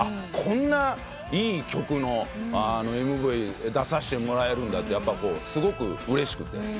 こんないい曲のＭＶ出させてもらえるんだってすごくうれしくて。